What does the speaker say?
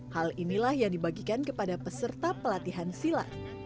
hal inilah yang dibagikan kepada peserta pelatihan silat